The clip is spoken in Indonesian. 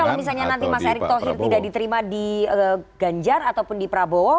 kalau misalnya nanti mas erick thohir tidak diterima di ganjar ataupun di prabowo